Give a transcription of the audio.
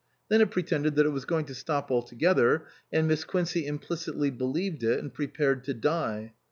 Then it pretended that it was going to stop altogether, and Miss Quincey implicitly believed it and prepared to die.